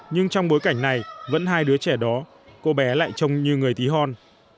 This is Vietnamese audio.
nhưng trong bối cảnh này vẫn hai đứa trẻ đó cô bé lại trông như người tí hon